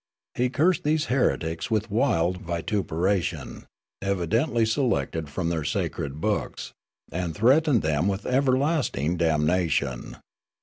He cursed these heretics with wild vituperation, evidently selected from their sacred books, and threatened them with everlasting damnation.